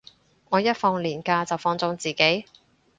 我一放連假就放縱自己